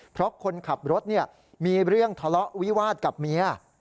เพราะคนขับรถมีเรื่องทะเลาะวิวาสกับเมีย